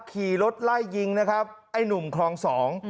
ขี่รถไล่ยิงนะครับไอ้หนุ่มคลองสอง